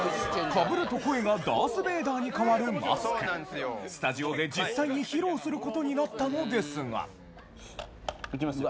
・被ると声がダース・ベイダーに変わるマスクスタジオで実際に披露する事になったのですがいきますよ。